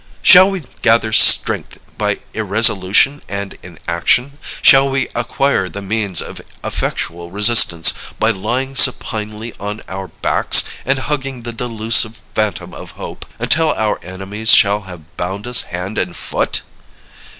Shall we gather strength by irresolution and inaction? Shall we acquire the means of effectual resistance by lying supinely on our backs, and hugging the delusive fantom of hope, until our enemies shall have bound us hand and foot?